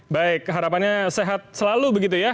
baik harapannya sehat selalu begitu ya